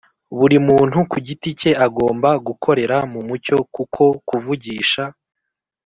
buri muntu ku giti ke, agomba gukorera mu mucyo kuko kuvugisha